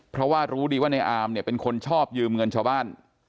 เพราะว่ารู้ดีว่าในอามเนี่ยเป็นคนชอบยืมเงินชาวบ้าน